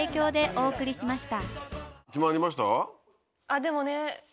あっでもね。